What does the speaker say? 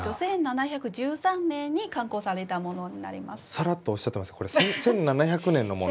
さらっとおっしゃってますけどこれ１７００年のもの？